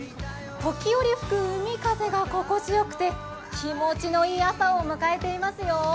時折吹く海風が心地よくて気持ちのいい朝を迎えていますよ。